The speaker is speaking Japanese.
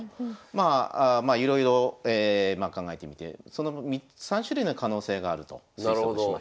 まあいろいろ考えてみて３種類の可能性があると推測しました。